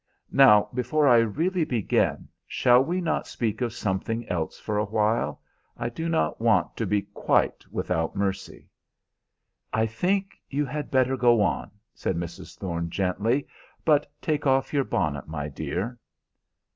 "Now, before I really begin, shall we not speak of something else for a while? I do not want to be quite without mercy." "I think you had better go on," said Mrs. Thorne gently; "but take off your bonnet, my dear."